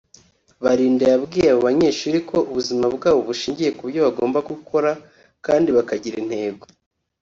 Balinda yabwiye abo banyeshuri ko ubuzima bwabo bushingiye ku byo bagomba gukora kandi bakagira intego